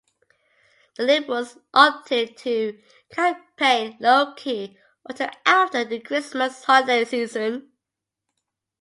The Liberals opted to campaign low key until after the Christmas holiday season.